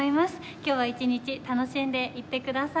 今日は一日楽しんでいってください。